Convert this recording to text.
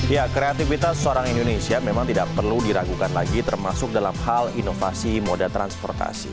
ya kreativitas orang indonesia memang tidak perlu diragukan lagi termasuk dalam hal inovasi moda transportasi